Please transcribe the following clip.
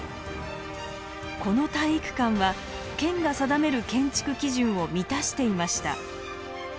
この体育館は県が定める建築基準を満たしていました。